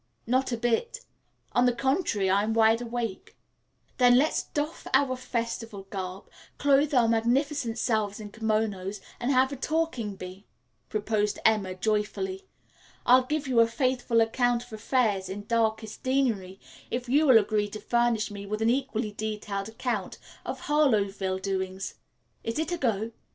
"Not a bit. On the contrary, I'm wide awake." "Then let's doff our festival garb, clothe our magnificent selves in kimonos and have a talking bee," proposed Emma joyfully. "I'll give you a faithful account of affairs in darkest Deanery, if you will agree to furnish me with an equally detailed account of Harloweville doings. Is it a go?"